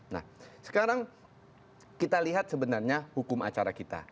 nah sekarang kita lihat sebenarnya hukum acara kita